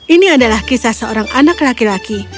ini adalah kisah seorang anak laki laki